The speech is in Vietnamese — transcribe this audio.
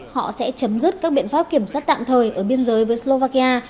họ sẽ chấm dứt các biện pháp kiểm soát tạm thời ở biên giới với slovakia